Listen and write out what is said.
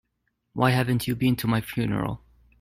Why haven't you been to my funeral?